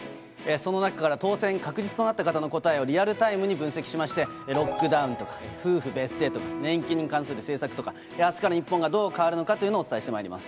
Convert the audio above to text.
その中から、当選確実となった方の答えをリアルタイムに分析しまして、ロックダウンとか、夫婦別姓とか、年金に関する政策とか、あすから日本がどう変わるのかというのをお伝えしてまいります。